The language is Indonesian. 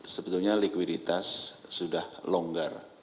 sebetulnya likuiditas sudah berkurang